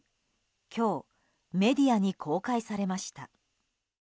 今日、メディアに公開されました。